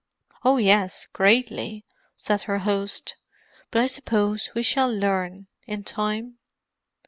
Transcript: "Oh yes, greatly," said her host. "But I suppose we shall learn, in time."